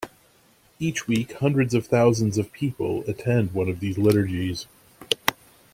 Each week hundreds of thousands of people attend one of these liturgies.